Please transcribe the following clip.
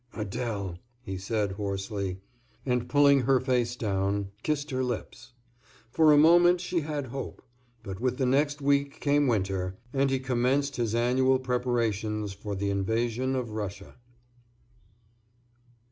"Adèle!" he said, hoarsely, and pulling her face down, kissed her lips. For a moment she had hope, but with the next week came winter; and he commenced his annual preparations for the invasion of Russia.